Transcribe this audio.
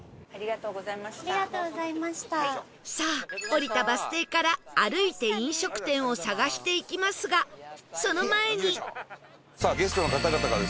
さあ降りたバス停から歩いて飲食店を探していきますがその前にさあゲストの方々がですね